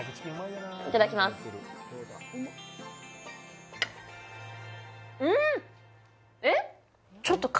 いただきますえっ？